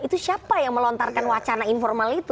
itu siapa yang melontarkan wacana informal itu